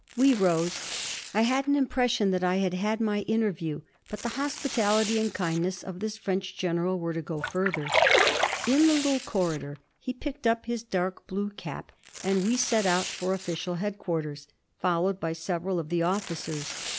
We rose. I had an impression that I had had my interview; but the hospitality and kindness of this French general were to go further. In the little corridor he picked up his dark blue cap and we set out for official headquarters, followed by several of the officers.